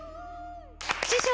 師匠！